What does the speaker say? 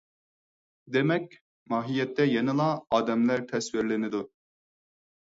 دېمەك، ماھىيەتتە يەنىلا ئادەملەر تەسۋىرلىنىدۇ.